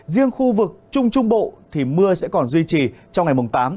riêng khu vực trung trung bộ thì mưa sẽ còn duy trì trong ngày mùng tám